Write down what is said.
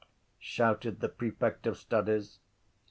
shouted the prefect of studies.